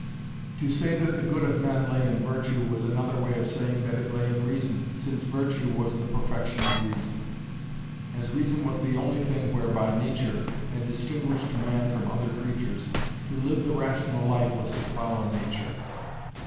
To say that the good of men lay in virtue was another way of saying that it lay in reason, since virtue was the perfection of reason. As reason was the only thing whereby Nature had distinguished man from other creatures, to live the rational life was to follow Nature.